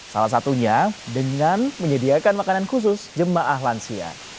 salah satunya dengan menyediakan makanan khusus jemaah lansia